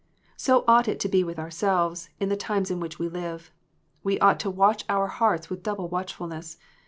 So ought it to be with ourselves, in the times in which we live. We ought to watch our hearts with double watchfulness.